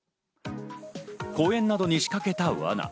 公園などに仕掛けた罠。